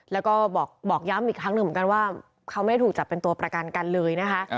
แล้วก็บอกย้ำอีกครั้งหนึ่งเหมือนกันว่าเขาไม่ได้ถูกจับเป็นตัวประกันกันเลยนะคะ